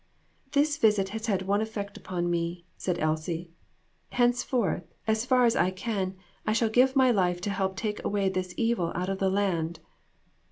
"This visit has had one effect upon me," said Elsie. "Henceforth, as far as I can, I shall give my life to help to take away this evil out of the land."